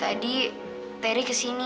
tadi terry kesini